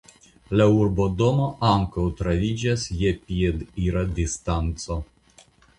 La urbodomo ankaŭ troviĝas je piedira distanco.